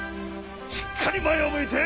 しっかりまえをむいて！